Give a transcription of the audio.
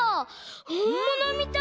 ほんものみたい。